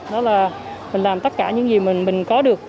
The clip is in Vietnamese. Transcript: đó là mình làm tất cả những gì mình có được